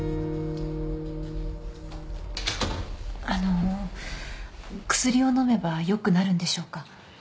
あの薬を飲めば良くなるんでしょうか。